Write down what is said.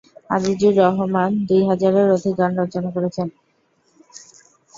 আজিজুর রহমান দুই হাজারের অধিক গান রচনা করেছেন।